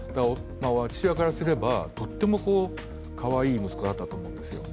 父親からすれば、とってもかわいい息子だったと思うんですよ。